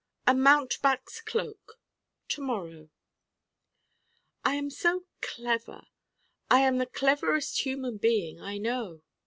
A mountebank's cloak To morrow I am so Clever. I am the Cleverest human being I know.